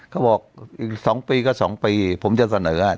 เขาบอกอีกสองปีก็สองปีผมจะเสนออ่ะ